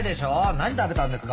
何食べたんですか？